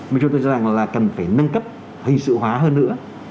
mình cho tôi cho rằng là cần phải nâng cấp hình sự hóa hơn nữa